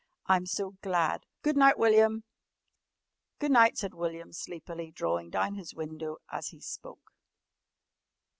"I'm so glad! Go' night, William." "Go' night," said William sleepily, drawing down his window as he spoke.